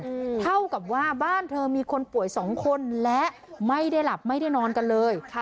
เท่ากับว่าบ้านเธอมีคนป่วยสองคนและไม่ได้หลับไม่ได้นอนกันเลยค่ะ